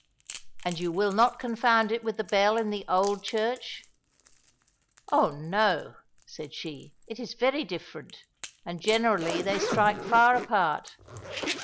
"And you will not confound it with the bell in the old church?" "Oh, no!" said she; "it is very different, and generally they strike far apart."